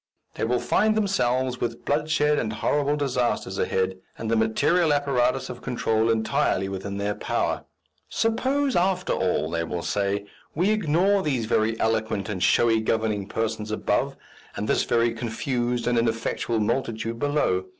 They will find themselves with bloodshed and horrible disasters ahead, and the material apparatus of control entirely within their power. "Suppose, after all," they will say, "we ignore these very eloquent and showy governing persons above, and this very confused and ineffectual multitude below.